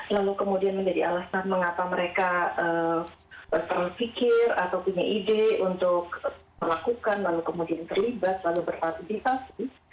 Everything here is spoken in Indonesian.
lalu kemudian menjadi alasan mengapa mereka terfikir atau punya ide untuk melakukan lalu kemudian terlibat lalu berpartisipasi